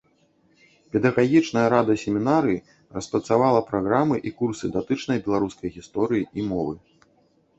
Педагагічная рада семінарыі распрацавала праграмы і курсы датычныя беларускай гісторыі і мовы.